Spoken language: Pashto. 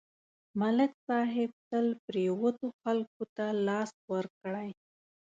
ملک صاحب تل پرېوتو خلکو ته لاس ورکړی